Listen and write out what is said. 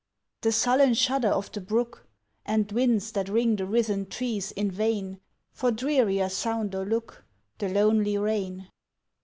The sullen shudder of the brook, And winds that wring the writhen trees in vain For drearier sound or look The lonely rain.